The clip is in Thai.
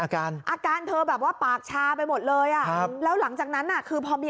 อาการอาการเธอแบบว่าปากชาไปหมดเลยอ่ะครับแล้วหลังจากนั้นน่ะคือพอมี